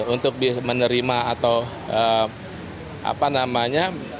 untuk menerima atau apa namanya